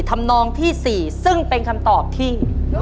นองที่๔ซึ่งเป็นคำตอบที่